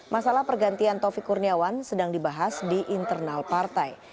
masalah pergantian tovi kurniawan sedang dibahas di internal partai